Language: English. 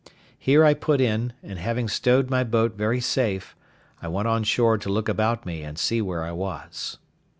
Here I put in, and having stowed my boat very safe, I went on shore to look about me, and see where I was.